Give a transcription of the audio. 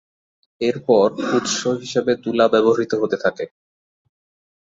এরপর উৎস হিসেবে তুলা ব্যবহৃত হতে থাকে।